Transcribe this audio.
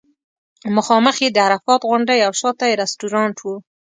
مخامخ یې د عرفات غونډۍ او شاته یې رستورانټ و.